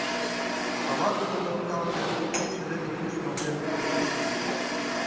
Ава тудым нӧлтале, кок кидше дене кӱш нӧлтен кучыш.